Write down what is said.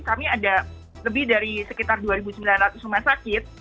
kami ada lebih dari sekitar dua sembilan ratus rumah sakit